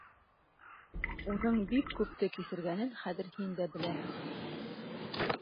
Уның бик күпте кисергәнен хәҙер һин дә беләһең.